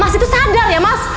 mas itu sadar ya mas